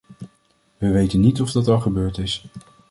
We weten niet of dat al gebeurd is.